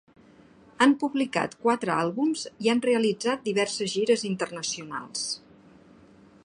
Han publicat quatre àlbums i han realitzat diverses gires internacionals.